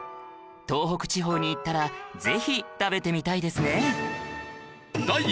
東北地方に行ったらぜひ食べてみたいですね